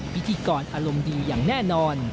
พิธีกรอารมณ์ดีอย่างแน่นอน